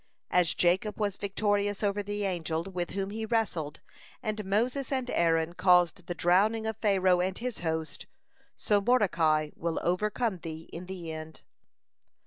As Jacob was victorious over the angel with whom he wrestled, and Moses and Aaron caused the drowning of Pharaoh and his host, so Mordecai will overcome thee in the end."